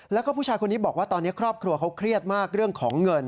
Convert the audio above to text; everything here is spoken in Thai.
แล้วก็ผู้ชายคนนี้บอกว่าตอนนี้ครอบครัวเขาเครียดมากเรื่องของเงิน